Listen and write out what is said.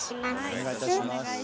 お願いいたします。